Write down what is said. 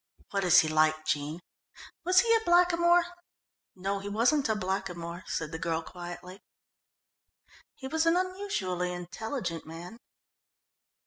What is he like, Jean? Was he a blackamoor?" "No, he wasn't a blackamoor," said the girl quietly. "He was an unusually intelligent man."